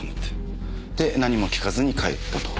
で何も聞かずに帰ったと。